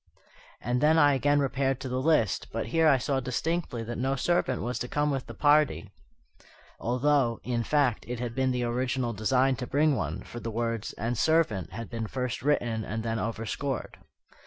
And then I again repaired to the list, but here I saw distinctly that no servant was to come with the party: although, in fact, it had been the original design to bring one, for the words "and servant" had been first written and then overscored.